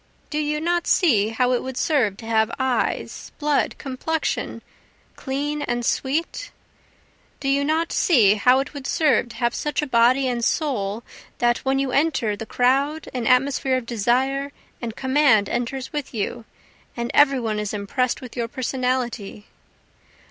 do you not see how it would serve to have eyes, blood, complexion, clean and sweet? Do you not see how it would serve to have such a body and soul that when you enter the crowd an atmosphere of desire and command enters with you, and every one is impress'd with your Personality?